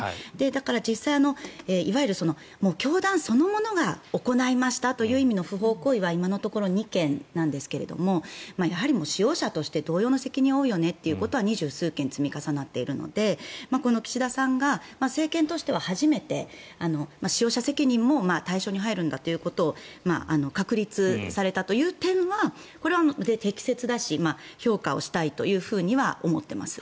だから実際いわゆる教団そのものが行いましたという意味の不法行為は今のところ２件なんですけれども使用者として同様の責任を負うよねというのは２０数件積み重なっているのでこの岸田さんが政権としては初めて使用者責任も対象に入るんだということを確立されたという点はこれは適切だし評価したいとは思っています。